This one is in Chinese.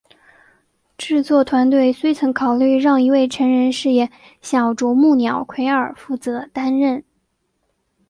制作团队虽曾考虑让一位成人饰演小啄木鸟奎尔负责担任。